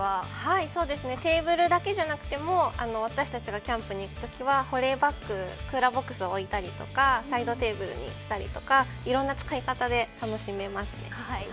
テーブルだけじゃなくても私たちがキャンプに行くときは保冷バッグ、クーラーボックスを置いたりとかサイドテーブルにしたりとかいろいろな使い方で楽しめます。